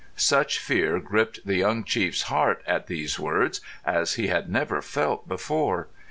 Such fear gripped the young chief's heart at these words as he had never felt before.